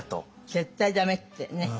絶対ダメってね。